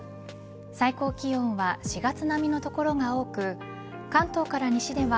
最高気温は４月並みの所が多く関東から西では